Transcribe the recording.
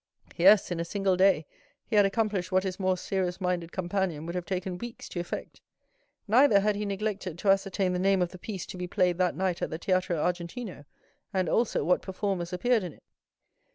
Yes, in a single day he had accomplished what his more serious minded companion would have taken weeks to effect. Neither had he neglected to ascertain the name of the piece to be played that night at the Teatro Argentina, and also what performers appeared in it.